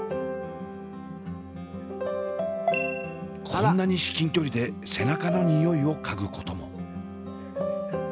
こんなに至近距離で背中の匂いを嗅ぐことも。